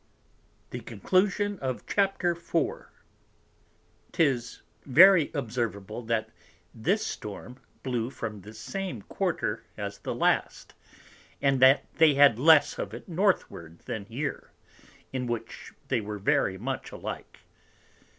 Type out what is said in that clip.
Thus far the Author of Mirabilis Annis. 'Tis very observable, that this Storm blew from the same Quarter as the last, and that they had less of it Northward than here; in which they were much alike.